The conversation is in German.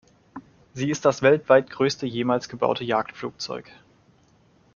Sie ist das weltweit größte jemals gebaute Jagdflugzeug.